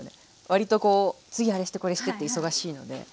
割とこう次あれしてこれしてって忙しいので。